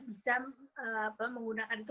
bisa menggunakan itu